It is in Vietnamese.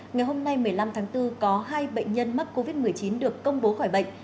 ngày hôm nay một mươi năm tháng bốn có hai bệnh nhân mắc covid một mươi chín được công bố khỏi bệnh